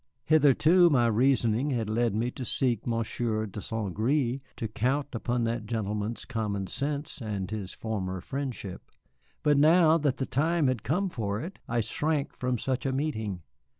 Hitherto my reasoning had led me to seek Monsieur de St. Gré, to count upon that gentleman's common sense and his former friendship. But now that the time had come for it, I shrank from such a meeting.